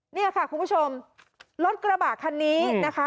นี่ค่ะคุณผู้ชมรถกระบะคันนี้นะคะ